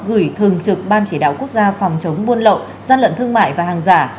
gửi thường trực ban chỉ đạo quốc gia phòng chống buôn lậu gian lận thương mại và hàng giả